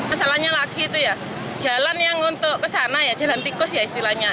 kesalahannya lagi itu ya jalan yang untuk kesana ya jalan tikus ya istilahnya